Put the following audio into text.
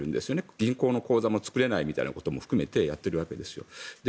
銀行の口座も作れないみたいなことも含めてやっているわけですよ。